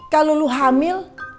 kalau lu hamil